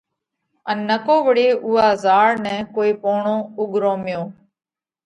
ان نڪو وۯي اُوئا زاۯ نئہ ڪوئي پوڻو اُڳروميو۔